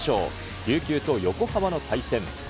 琉球と横浜の対戦。